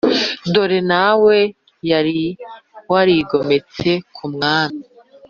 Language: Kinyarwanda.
dore na we yari warigometse kumwami